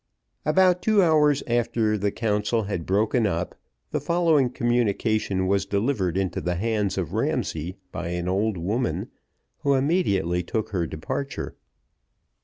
About two hours after the council had broken up, the following communication was delivered into the hands of Ramsay by an old woman, who immediately took her departure.